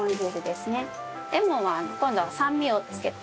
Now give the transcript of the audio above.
レモンは今度は酸味をつけて。